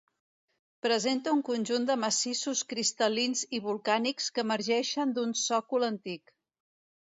Presenta un conjunt de massissos cristal·lins i volcànics que emergeixen d'un sòcol antic.